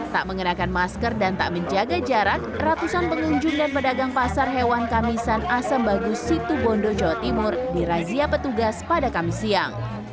tak mengenakan masker dan tak menjaga jarak ratusan pengunjung dan pedagang pasar hewan kamisan asem bagus situ bondo jawa timur dirazia petugas pada kamis siang